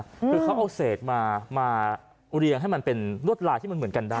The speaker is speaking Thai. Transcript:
คือเขาเอาเศษมามาเรียงให้มันเป็นลวดลายที่มันเหมือนกันได้